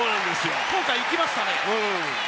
今回行きましたね。